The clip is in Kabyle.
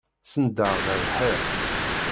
Senndeɣ ɣer lḥiḍ.